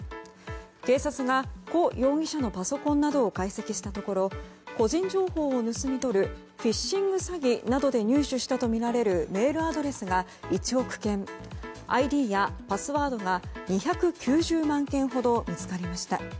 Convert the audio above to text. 警察がコ容疑者のパソコンなどを解析したところ個人情報を盗み取るフィッシング詐欺などで入手したとみられるメールアドレスが１億件ＩＤやパスワードが２９０万件ほど見つかりました。